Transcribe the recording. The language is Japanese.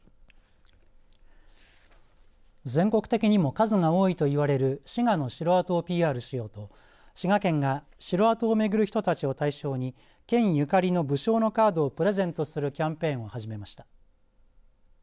全国的にも数が多いといわれる滋賀の城跡をＰＲしようと滋賀県が城跡を巡る人たちを対象に県ゆかりの武将のカードをプレゼントするキャンペーンを始めました。